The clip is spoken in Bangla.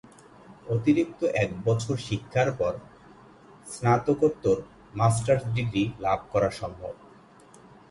অতিরিক্ত এক বছর শিক্ষার পর স্নাতকোত্তর মাস্টার্স ডিগ্রী লাভ সম্ভব।